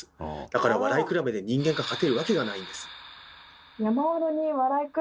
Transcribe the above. だから笑い比べで人間が勝てるわけがないんです。